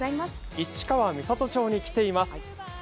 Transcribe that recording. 市川三郷町に来ています。